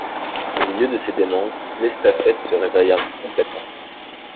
Au milieu de ces démences, l'estafette se réveilla complètement.